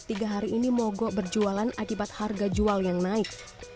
tiga hari ini mogok berjualan akibat harga jual yang naik